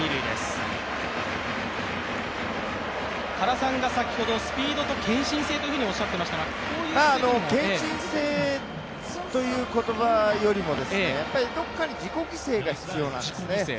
原さんが先ほどスピードと献身性とおっしゃっていましたが、こういうプレーも献身性という言葉よりも、どこかに自己犠牲が必要なんですね。